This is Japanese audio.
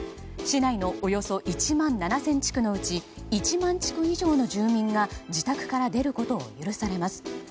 市内のおよそ１万７０００地区のうち１万地区以上の住民が自宅から出ることを許されます。